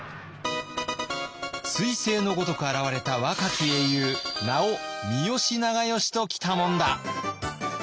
すい星のごとく現れた若き英雄名を三好長慶ときたもんだ。